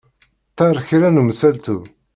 Tter kra n umsaltu.